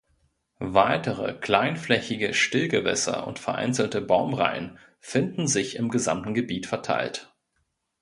Weitere, kleinflächige Stillgewässer und vereinzelte Baumreihen finden sich im gesamten Gebiet verteilt.